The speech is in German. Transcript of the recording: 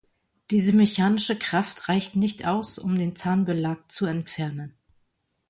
Diese mechanische Kraft reicht nicht aus, um den Zahnbelag zu entfernen.